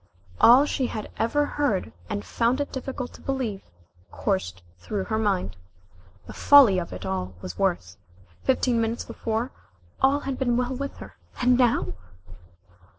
All she had ever heard and found it difficult to believe, coursed through her mind. The folly of it all was worse. Fifteen minutes before all had been well with her and now